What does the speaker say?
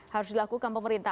harus dilakukan pemerintah